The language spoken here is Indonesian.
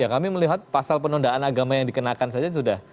kami melihat pasal penodaan agama yang dikenakan saja sudah